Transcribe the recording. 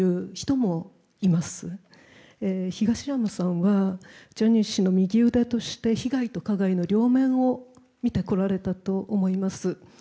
東山さんはジャニー氏の右腕として被害と加害の両面を見てこられたと思います。